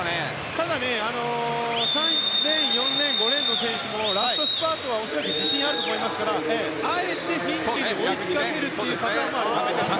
ただ、３レーン、４レーン５レーンの選手もラストスパートは恐らく自信があると思いますからあえて、フィンケに追いつかせるというパターンもありますよ。